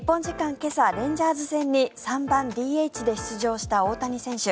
今朝、レンジャーズ戦に３番ＤＨで出場した大谷選手。